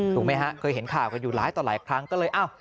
ถูกไหมฮะเคยเห็นข่าวกันอยู่หลายต่อหลายครั้งก็เลยอ้าว